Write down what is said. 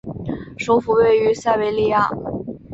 首府位于塞维利亚。